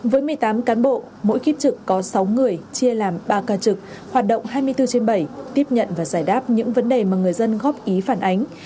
với một mươi tám cán bộ mỗi kiếp trực có sáu người chia làm ba ca trực hoạt động hai mươi bốn trên bảy tiếp nhận và giải đáp những vấn đề mà người dân góp ý phản ánh